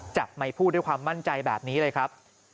จับใหม่ผู้ด้วยความมั่นใจแบบนี้เลยครับ